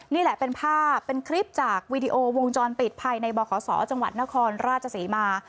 นี่แหละเป็นภาพเป็นคลิปจากวีดีโอวงจรปิดภายในบขศจังหวัดนครราชศรีมา